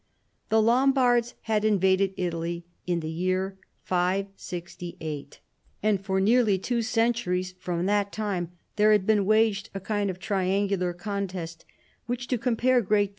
The Lombards had invaded Italy in the year 568, and for nearly two centuries from that time there had been waged a kind of triangular contest which, to compare great tb.